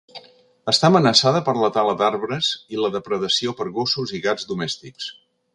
Està amenaçada per la tala d'arbres i la depredació per gossos i gats domèstics.